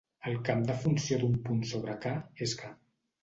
El camp de funció d'un punt sobre "K" és "K".